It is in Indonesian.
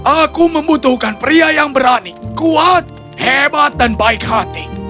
aku membutuhkan pria yang berani kuat hebat dan baik hati